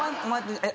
えっ？